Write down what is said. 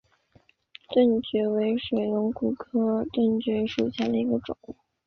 盾蕨为水龙骨科盾蕨属下的一个种。